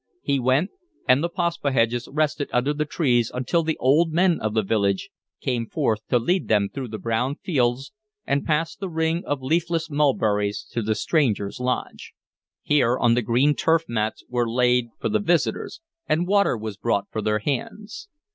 He went, and the Paspaheghs rested under the trees until the old men of the village came forth to lead them through the brown fields and past the ring of leafless mulberries to the strangers' lodge. Here on the green turf mats were laid for the visitors, and water was brought for their hands.